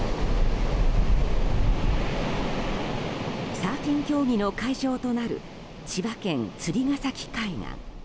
サーフィン競技の会場となる千葉県釣ヶ崎海岸。